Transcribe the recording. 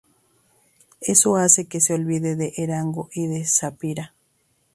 Eso hace que se olvide de Eragon y de Saphira.